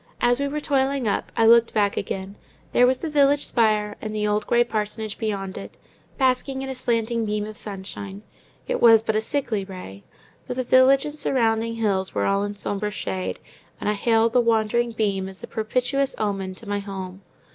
As we were toiling up, I looked back again; there was the village spire, and the old grey parsonage beyond it, basking in a slanting beam of sunshine—it was but a sickly ray, but the village and surrounding hills were all in sombre shade, and I hailed the wandering beam as a propitious omen to my home.